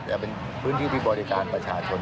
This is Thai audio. แต่เป็นพื้นที่ที่บริการประชาชน